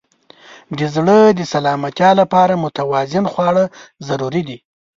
د زړه د سلامتیا لپاره متوازن خواړه ضروري دي.